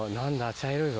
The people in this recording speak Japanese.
茶色いぞ。